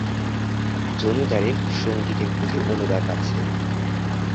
জমিদারের সংগীতের প্রতি অনুরাগ আছে।